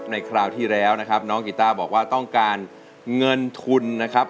คราวที่แล้วนะครับน้องกีต้าบอกว่าต้องการเงินทุนนะครับ